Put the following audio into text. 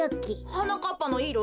はなかっぱのいろ？